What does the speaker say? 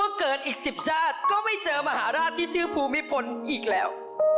เกิดอีก๑๐ชาติก็ไม่เจอมหาราชที่ชื่อภูมิพลอีกแล้ว